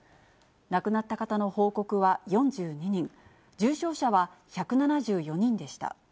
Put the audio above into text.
亡くなった方の報告は４２人、重症者は１７４人でした。